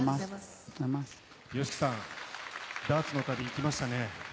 ＹＯＳＨＩＫＩさん、ダーツの旅、行きましたね。